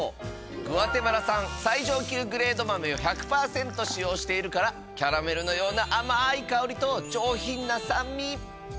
グアテマラ産最上級グレード豆を１００％使用しているからキャラメルのような甘い香りと上品な酸味。